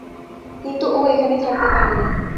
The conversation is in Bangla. কিন্তু ও এখানে থাকতে পারবে না।